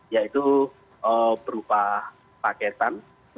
yaitu berupa paketan